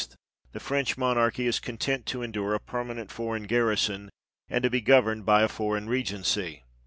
the French monarchy is content to endure a permanent foreign garrison, and to be governed by a foreign regency.